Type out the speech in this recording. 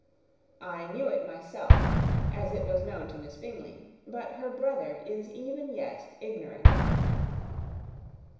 I knew it myself, as it was known to Miss Bingley; but her brother is even yet ignorant of it.